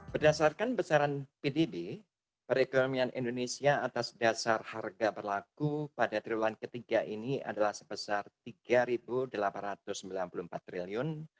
berdasarkan besaran pdb perekonomian indonesia atas dasar harga berlaku pada triwulan ketiga ini adalah sebesar rp tiga delapan ratus sembilan puluh empat triliun